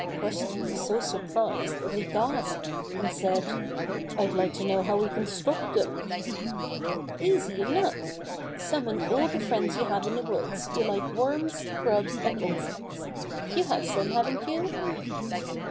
Rusty was so surprised that he gasped, and said : "I'd like to know how we can stop them." "Easy enough! Summon all the friends you have in the woods who like worms, grubs and insects. You have some, haven't you?"